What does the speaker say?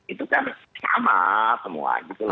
itu kan sama semua